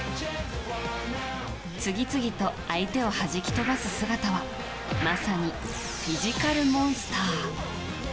次々と相手をはじき飛ばす姿はまさにフィジカルモンスター。